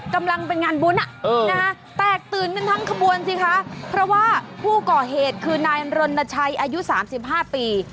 กำลังเป็นงานบุญแตกตื่นกันทั้งขบวนสิคะเพราะว่าผู้ก่อเหตุคือนายรณชัยอายุ๓๕ปี